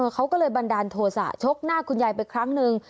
เขาก็เลยบันดาลโทษะชกหน้าคุณยายไปครั้งหนึ่ง